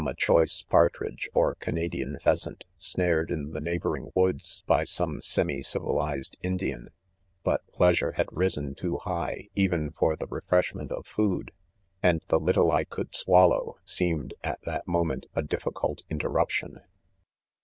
a choice partridge or Cana dian pheasant, snared in the neighboring woods •by some semi civilized Indian, but pleasure had risen too high, even for the refreshment of food, and the little I could swallow, seem ed, 'at that moment, a difficult interruption.